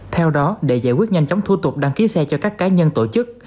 theo đó để giải quyết nhanh chóng thủ thuật đăng ký xe cho các cá nhân tổ chức